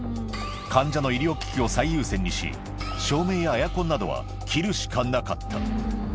患者の医療機器を最優先にし、照明やエアコンなどは切るしかなかった。